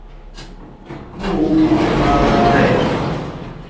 Móǃóhwò máárzɛ̂.